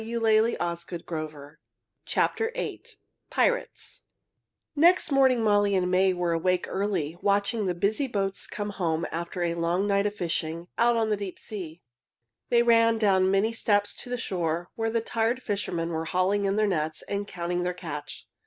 [Illustration: Pirates] PIRATES Next morning Molly and May were awake early, watching the busy boats come home after a long night of fishing out on the deep sea. They ran down the many steps to the shore, where the tired fishermen were hauling in their nets and counting their catch.